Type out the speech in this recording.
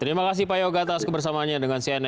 terima kasih pak yoga atas kebersamaannya dengan cnn